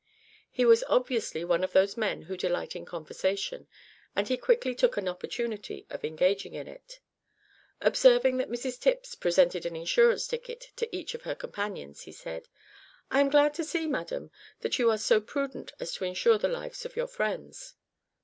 He was obviously one of those men who delight in conversation, and he quickly took an opportunity of engaging in it. Observing that Mrs Tipps presented an insurance ticket to each of her companions, he said "I am glad to see, madam, that you are so prudent as to insure the lives of your friends."